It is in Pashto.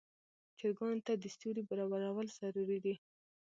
چرګانو ته د سیوري برابرول ضروري دي.